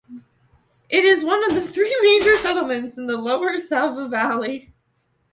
It is one of the three major settlements in the Lower Sava Valley.